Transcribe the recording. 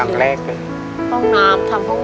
อย่างแรกโครงชีวิตเลย